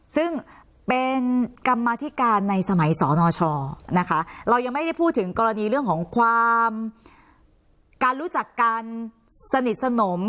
ซึ่งเป็นกรรมธิการในสมัยสนชนะคะเรายังไม่ได้พูดถึงกรณีเรื่องของความการรู้จักการสนิทสนม